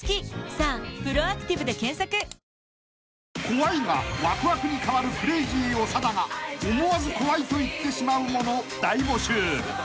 ［怖いがわくわくにかわるクレイジー長田が思わず怖いと言ってしまうもの大募集］